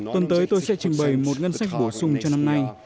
tuần tới tôi sẽ trình bày một ngân sách bổ sung cho năm nay